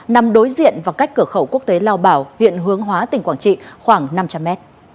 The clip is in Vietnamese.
nằm đối diện và cách cửa khẩu quốc tế lào bảo huyện hướng hóa tỉnh quảng trị khoảng năm trăm linh m